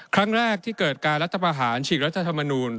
ครั้งแรกที่เกิดการรัฐประหารฉีกรัฐธรรมนูล